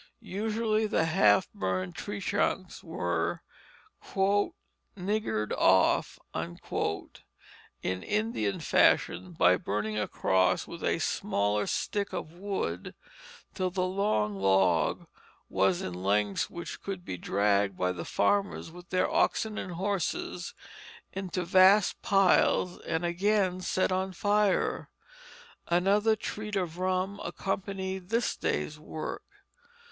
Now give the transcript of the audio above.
Usually the half burned tree trunks were "niggered off" in Indian fashion, by burning across with a smaller stick of wood till the long log was in lengths which could be dragged by the farmers with their oxen and horses into vast piles and again set on fire. Another treat of rum accompanied this day's work.